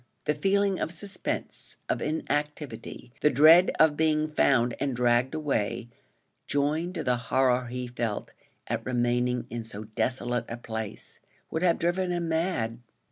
The feeling of suspense, of inactivity, the dread of being found and dragged away, joined to the horror he felt at remaining in so desolate a place, would have driven him mad.